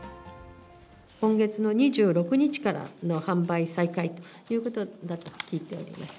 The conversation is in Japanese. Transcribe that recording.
今月の２６日からの販売再開ということだと聞いております。